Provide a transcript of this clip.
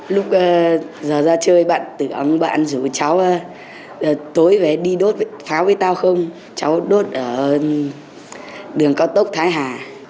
lúc giờ ra chơi bạn rủ cháu tối về đi đốt pháo với tao không cháu đốt ở đường cao tốc thái hà